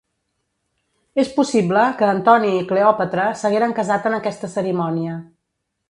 És possible que Antoni i Cleòpatra s'hagueren casat en aquesta cerimònia.